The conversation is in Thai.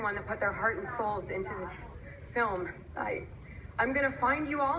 อันนี้จะได้ขอบคุณเรียกก่อนนะครับ